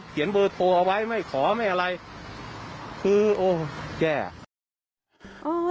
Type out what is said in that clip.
คือโอ้แก่